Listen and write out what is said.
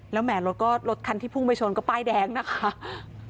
แล้วแหมรถก็รถคันที่พุ่งไปชนก็ป้ายแดงนะคะ